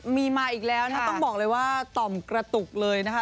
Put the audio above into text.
มีมาอีกแล้วนะต้องบอกเลยว่าต่อมกระตุกเลยนะคะ